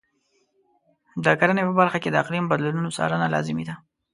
د کرنې په برخه کې د اقلیم بدلونونو څارنه لازمي ده.